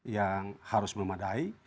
yang harus memadai